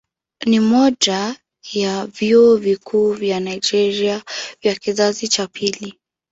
Ni mmoja ya vyuo vikuu vya Nigeria vya kizazi cha pili.